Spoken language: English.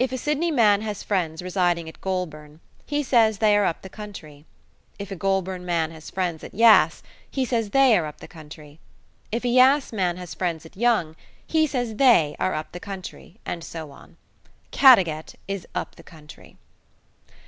If a Sydney man has friends residing at Goulburn, he says they are up the country. If a Goulburn man has friends at Yass, he says they are up the country. If a Yass man has friends at Young, he says they are up the country, and so on. Caddagat is "up the country".